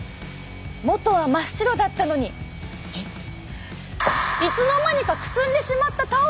もとは真っ白だったのにいつの間にかくすんでしまったタオル！